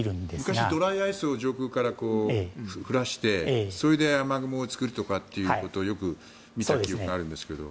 昔、ドライアイスを上空から降らしてそれで雨雲を作るとかっていうのをよく見た記憶があるんですけれども。